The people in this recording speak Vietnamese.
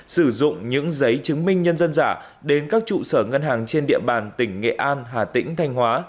sử dụng những giấy chứng minh nhân dân giả đến các trụ sở ngân hàng trên địa bàn tỉnh nghệ an hà tĩnh thanh hóa